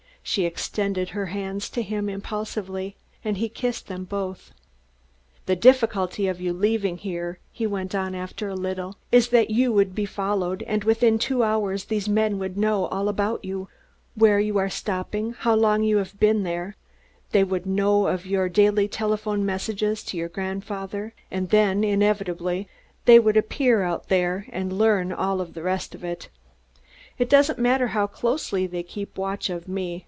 She extended her hands to him impulsively, and he kissed them both. "The difficulty of you leaving here," he went on after a little, "is that you would be followed, and within two hours these men would know all about you where you are stopping, how long you have been there; they would know of your daily telephone messages to your grandfather, and then, inevitably, they would appear out there, and learn all the rest of it. It doesn't matter how closely they keep watch of me.